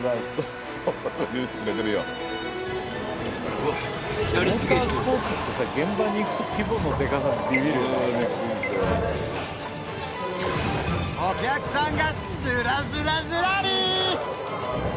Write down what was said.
お客さんがずらずらずらり！